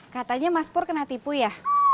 katanya mas pur kena tipu ya